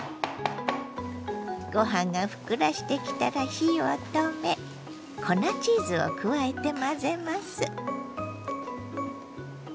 ご飯がふっくらしてきたら火を止め粉チーズを加えて混ぜます。